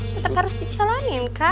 tetep harus di jalanin kan